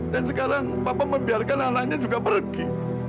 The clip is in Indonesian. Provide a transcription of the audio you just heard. dan sekarang papa membiarkan anaknya juga pergi